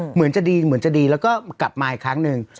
เหมือนจะดีแล้วก็กลับมาอีกครั้งนึง